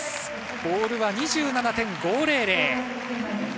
ボールは２７．５００。